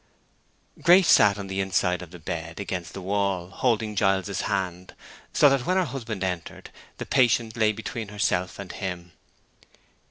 Grace sat on the inside of the bed against the wall, holding Giles's hand, so that when her husband entered the patient lay between herself and him.